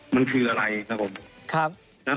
มันคืออะไรครับผม